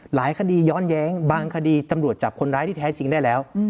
หลายคดีย้อนแย้งบางคดีตำรวจจับคนร้ายที่แท้จริงได้แล้ว